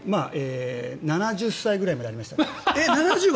７０歳ぐらいまでありました。